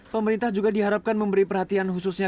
pemerintah juga diharapkan memberi perhatian khususnya